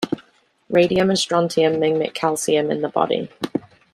Radium and strontium mimic calcium in the body.